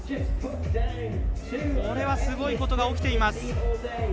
これは、すごいことが起きています。